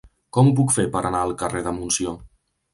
Com ho puc fer per anar al carrer de Montsió?